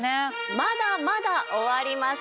まだまだ終わりませんよ。